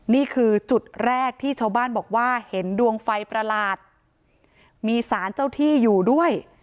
นี่คือจุดแรกที่ชาวบ้านบอกว่าเห็นดวงไฟประหลาดมีสารเจ้าที่อยู่ด้วย